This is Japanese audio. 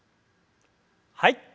はい。